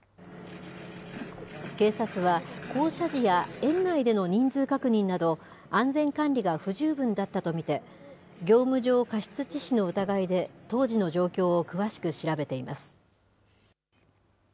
警察は、降車時や園内での人数確認など、安全管理が不十分だったと見て、業務上過失致死の疑いで、当時の状況を詳しく調べています。